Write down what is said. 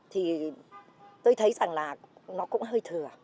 thì tôi thấy rằng là nó cũng hơi thừa